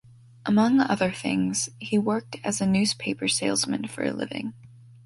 Among other things, he worked as a newspaper salesman for a living.